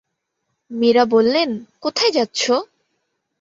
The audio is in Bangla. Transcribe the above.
মীরা বললেন, কোথায় যাচ্ছ?